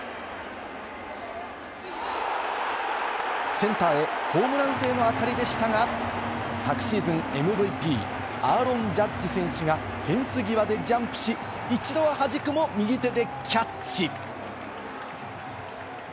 センターへホームラン性の当たりでしたが、昨シーズンＭＶＰ、アーロン・ジャッジ選手がフェンス際でジャンプし、一度ははじくも右手でキャッチ。